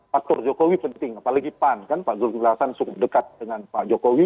faktor jokowi penting apalagi pan kan pak zulkifli hasan cukup dekat dengan pak jokowi